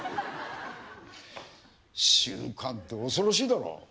習慣って恐ろしいだろう。